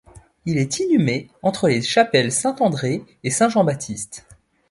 Il est inhumé entre les chapelles Saint-André et Saint-Jean-Baptiste.